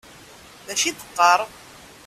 D acu i d-teqqaṛ?